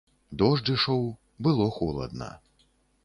Дождж ішоў, было холадна.